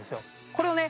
これをね